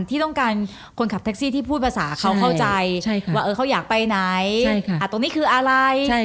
ที่ต้องการคนขับแท็กซี่ที่พูดภาษาเขาเข้าใจว่าเขาอยากไปไหนตรงนี้คืออะไร